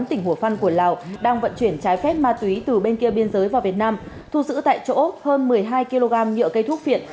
tỉnh hủa phăn của lào đang vận chuyển trái phép ma túy từ bên kia biên giới vào việt nam thu giữ tại chỗ hơn một mươi hai kg nhựa cây thuốc viện